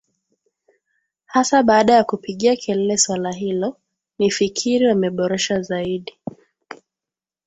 hasa baada ya kupigia kelele swala hilo nifikiri wameboresha zaidi